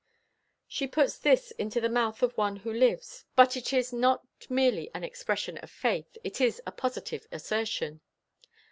She puts this into the mouth of one who lives, but it is not merely an expression of faith; it is a positive assertion.